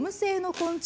昆虫？